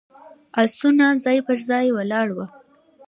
آسونه ځای پر ځای ولاړ ول.